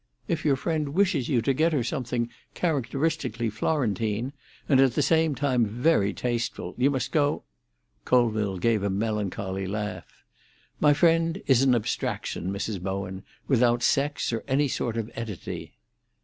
"If your friend wishes you to get her something characteristically Florentine, and at the same time very tasteful, you must go—" Colville gave a melancholy laugh. "My friend is an abstraction, Mrs. Bowen, without sex or any sort of entity."